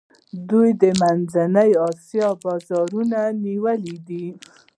دوی د منځنۍ آسیا بازارونه نیولي دي.